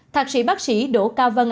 thạc sĩ bác sĩ đỗ cao vân nói